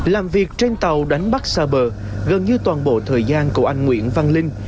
làm việc trên tàu đánh bắt xa bờ gần như toàn bộ thời gian của anh nguyễn văn linh